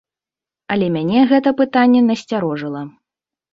Але мяне гэта пытанне насцярожыла.